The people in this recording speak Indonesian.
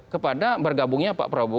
kepada bergabungnya pak prabowo